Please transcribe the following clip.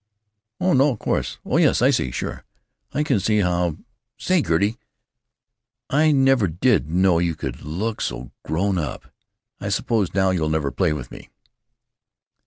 "Oh no, of course; oh yes, I see. Sure. I can see how——Say, Gertie, I never did know you could look so grown up. I suppose now you'll never play with me."